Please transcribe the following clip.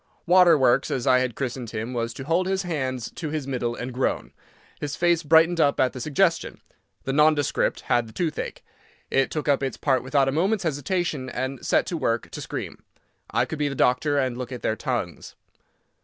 "Waterworks," as I had christened him, was to hold his hands to his middle and groan. His face brightened up at the suggestion. The nondescript had the toothache. It took up its part without a moment's hesitation, and set to work to scream. I could be the doctor and look at their tongues.